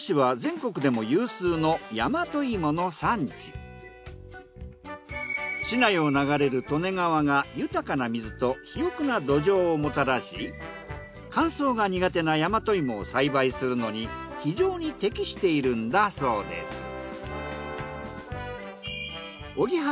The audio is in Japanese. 実は市内を流れる利根川が豊かな水と肥沃な土壌をもたらし乾燥が苦手な大和芋を栽培するのに非常に適しているんだそうです。